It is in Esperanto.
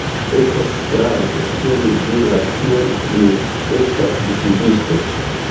Estas strange, ke mi diras tion, mi estas jutubisto